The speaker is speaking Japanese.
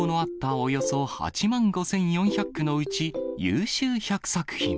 およそ８万５４００句のうち、優秀１００作品。